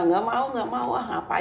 tidak mau tidak mau apa apa